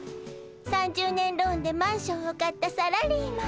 ３０年ローンでマンションを買ったサラリーマン。